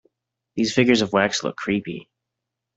These figures of wax look creepy.